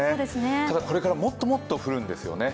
ただ、これからもっともっと降るんですよね。